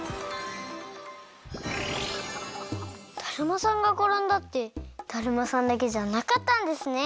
だるまさんがころんだってだるまさんだけじゃなかったんですね。